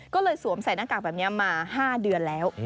ก็เลยสวมใส่หน้ากากแบบนี้มา๕เดือนแล้ว